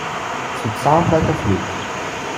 It would sound like a flute.